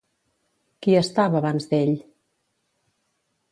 Qui estava abans d'ell?